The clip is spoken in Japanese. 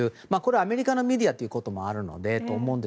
アメリカのメディアということもあるので。